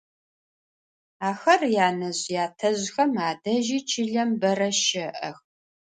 Ахэр янэжъ-ятэжъхэм адэжьи чылэм бэрэ щэӏэх.